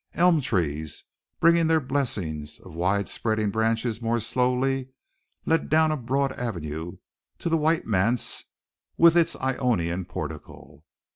Elm trees, bringing their blessings of wide spreading branch more slowly, led down a broad avenue to the white manse with its Ionian portico.